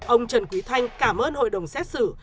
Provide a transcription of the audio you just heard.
ông trần quý thanh cảm ơn hội đồng xét xử